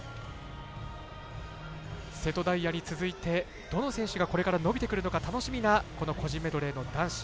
瀬戸大也に続いて、どの選手がこれから伸びてくるのか楽しみな、個人メドレーの男子。